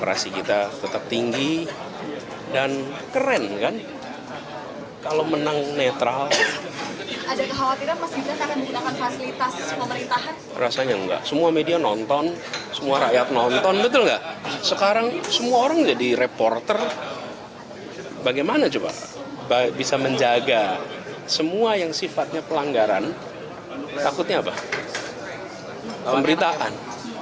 rakyat nonton betul gak sekarang semua orang jadi reporter bagaimana coba bisa menjaga semua yang sifatnya pelanggaran takutnya apa pemberitaan